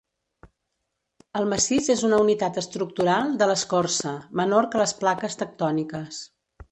El massís és una unitat estructural de l'escorça, menor que les plaques tectòniques.